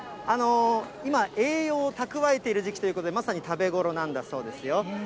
今、栄養を蓄えている時期ということで、まさに食べ頃なんだそうですよ。